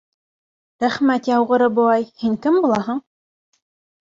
— Рәхмәт яуғыры, бабай, һин кем булаһың?